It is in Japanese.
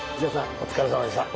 お疲れさまでした。